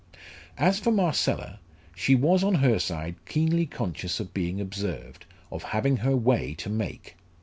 As for Marcella, she was on her side keenly conscious of being observed, of having her way to make.